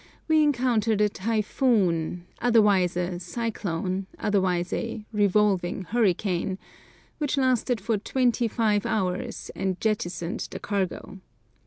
we encountered a "typhoon," otherwise a "cyclone," otherwise a "revolving hurricane," which lasted for twenty five hours, and "jettisoned" the cargo.